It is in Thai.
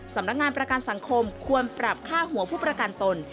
สำนักงานประกันสังคมควรปรับค่าหัวผู้ประกันตน